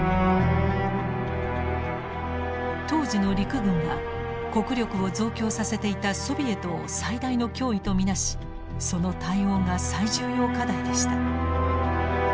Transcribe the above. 当時の陸軍は国力を増強させていたソビエトを最大の脅威と見なしその対応が最重要課題でした。